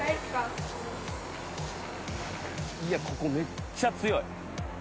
ここめっちゃ強い。